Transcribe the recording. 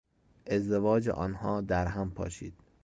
ازدواج آنها در هم پاشید.